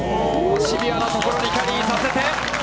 シビアのところにキャリーさせて。